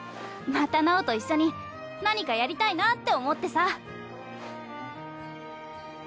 また尚と一緒に何かやりたいなって思ってさ。